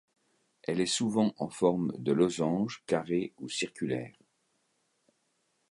Elle est souvent en forme de losange, carrée ou circulaire.